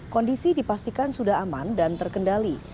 kondisi dipastikan sudah aman dan terkendali